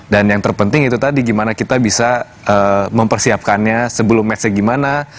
dan yang terpenting itu tadi gimana kita bisa mempersiapkannya sebelum matchnya gimana